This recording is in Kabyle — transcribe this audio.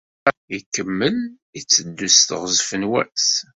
Ikemmel itteddu s teɣzef n wass.